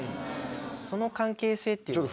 その関係性っていうのがね。